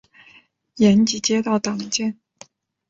延吉街道党建